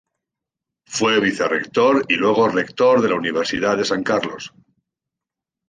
Fue Vice Rector y luego Rector de la Universidad de San Carlos.